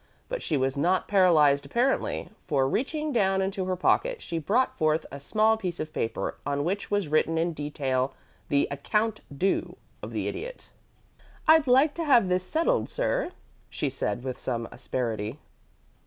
But she was not paralyzed apparently, for reaching down into her pocket she brought forth a small piece of paper, on which was written in detail the "account due" of the Idiot. "I'd like to have this settled, sir," she said, with some asperity.